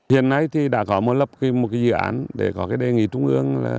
hiện nay thì đã có một lập một dự án để có đề nghị trung ương